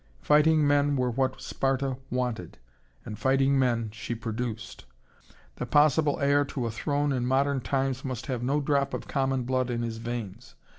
Fighting men were what Sparta wanted, and fighting men she produced. The possible heir to a throne in modern times must have no drop of common blood in his veins.